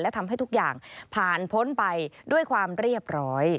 และทำให้ทุกอย่างผ่านพ้นไปด้วยความเรียบร้อย